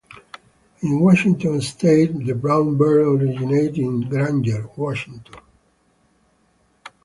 In Washington State, the Brown Berets originated in Granger, Washington.